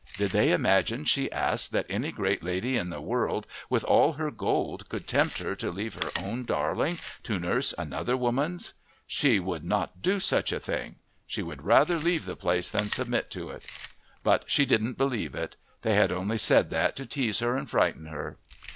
Did they imagine, she asked, that any great lady in the world with all her gold could tempt her to leave her own darling to nurse another woman's? She would not do such a thing she would rather leave the place than submit to it. But she didn't believe it they had only said that to tease and frighten her!